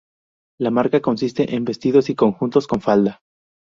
La marca consiste en vestidos y conjuntos con falda.